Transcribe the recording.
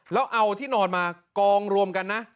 แล้วเอาที่นอนมากองรวมกันนะ